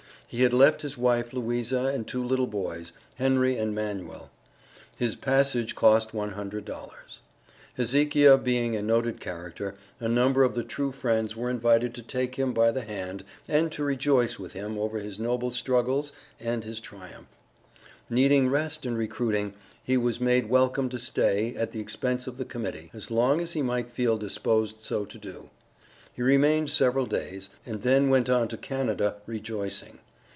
He had left his wife Louisa, and two little boys, Henry and Manuel. His passage cost one hundred dollars. Hezekiah being a noted character, a number of the true friends were invited to take him by the hand and to rejoice with him over his noble struggles and his triumph; needing rest and recruiting, he was made welcome to stay, at the expense of the committee, as long as he might feel disposed so to do. He remained several days, and then went on to Canada rejoicing.